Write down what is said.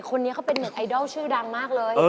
คนนี้เขาเป็นเน็ตไอดอลชื่อดังมากเลย